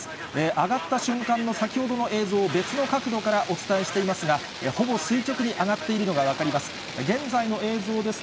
上がった瞬間の先ほどの映像を別の角度からお伝えしていますが、ほぼ垂直に上がっているのが分かります。